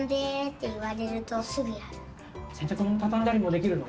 洗濯物畳んだりもできるの？